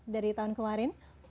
dari tahun kemarin